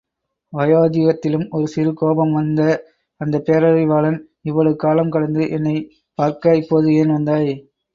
வயோதிகத்திலும் ஒரு சிறு கோபம் வந்த அந்தப்பேரறிவாளன் இவ்வளவு காலம் கடந்து என்னைப் பார்க்க இப்போது ஏன் வந்தாய்?